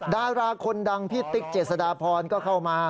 ดาราคนดังพี่ติ๊กเจษฎาพรก็เข้ามา